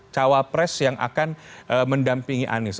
cawa pres yang akan mendampingi anies